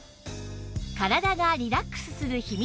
体がリラックスする秘密は